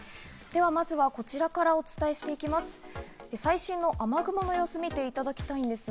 ではまずはこちらからお伝えしていきます。